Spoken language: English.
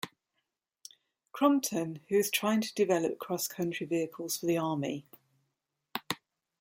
Crompton, who was trying to develop cross-country vehicles for the Army.